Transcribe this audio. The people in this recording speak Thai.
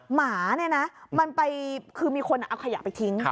หมาเนี่ยนะมันไปคือมีคนเอาขยะไปทิ้ง